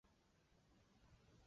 二裂果蝇是果蝇科的一个物种。